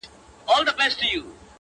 زمانه اوړي له هر کاره سره لوبي کوي-